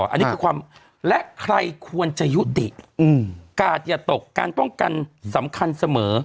อันนี้คือความและใครควรจะยุติกาดอย่าตกการป้องกันสำคัญเสมอ